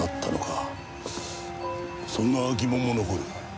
そんな疑問も残る。